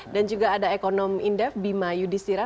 dan juga ada ekonom indef bima yudistira